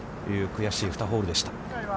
悔しい２ホールでした。